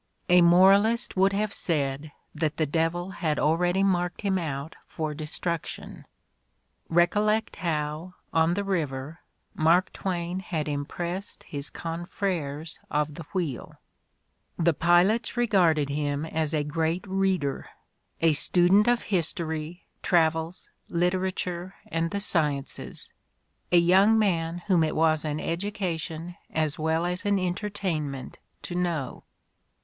A moralist would have said that the devil had already marked him out for destruc tion. EecoUect how, on the river, Mark Twain had im pressed his confreres of the wheel: "the pilots regarded him as a great reader — a student of history, travels, literature and the sciences — a young man whom it was an education as well as an entertainment to know."